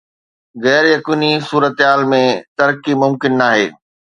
غير يقيني صورتحال ۾ قومي ترقي ممڪن ناهي.